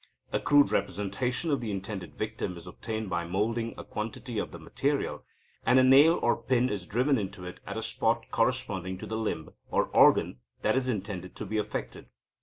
A crude representation of the intended victim is obtained by moulding a quantity of the material, and a nail or pin is driven into it at a spot corresponding to the limb or organ that is intended to be affected.